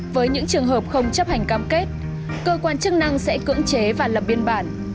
với những trường hợp không chấp hành cam kết cơ quan chức năng sẽ cưỡng chế và lập biên bản